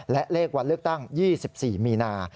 และเลขวันเลือกตั้ง๒๔มีนา